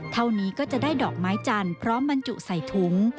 เท่านี้ก็จะได้ดอกไม้จันทร์พร้อมบรรจุใส่ถุง